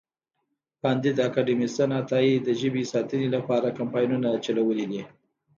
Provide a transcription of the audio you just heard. کانديد اکاډميسن عطایي د ژبې ساتنې لپاره کمپاینونه چلولي دي.